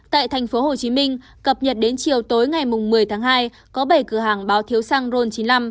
tại tp hcm cập nhật đến chiều tối ngày một mươi tháng hai có bảy cửa hàng báo thiếu xăng ron chín mươi năm